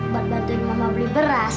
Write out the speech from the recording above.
buat bantuin sama beli beras